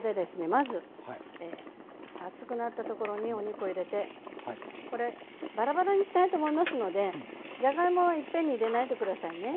まず熱くなった所にお肉を入れてこれバラバラにしたいと思いますのでじゃがいもはいっぺんに入れないで下さいね。